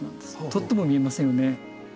とっても見えませんよね。